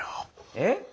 えっ？